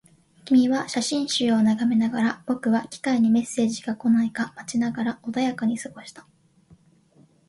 君は写真集を眺めながら、僕は機械にメッセージが来ないか待ちながら穏やかに過ごした